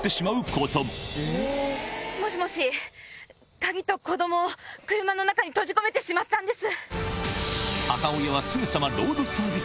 鍵と子供を車の中に閉じ込めてしまったんです！